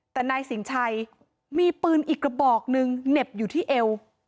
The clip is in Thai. แต่นายสินชัยมีปืนอีกกระบอกหนึ่งเหน็บอยู่ที่เอว